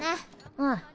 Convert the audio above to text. うん。